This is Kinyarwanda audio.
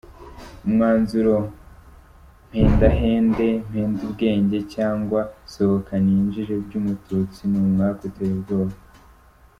Umwanzuro: Mpendahende, mpendubwenge cyangwa sohoka ninjire by’umututsi ni umwaku uteye ubwoba.